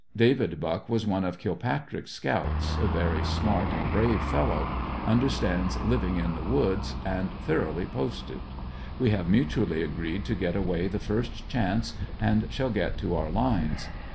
David Buck was one of Kilpatrick's scouts; a very smart and brave fellow, understands living in the woods, and thoroughly posted. We have mutually agreed to get away the first chance, and shall get to our lines.